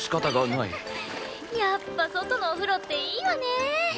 やっぱ外のお風呂っていいわね！